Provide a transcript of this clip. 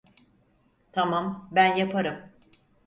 Tamam, ben yaparım.